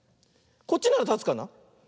こっちならたつかな。